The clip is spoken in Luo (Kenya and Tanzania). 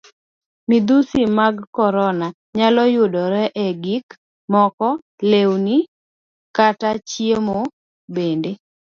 Midhusi mag korona nyalo yudore e gik moko lewni, kata chiemo bende.